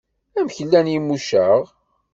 Amek llan Yimucaɣ?